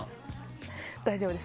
大丈夫です。